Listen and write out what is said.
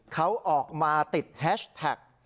เขาออกมาติดแฮชแท็ก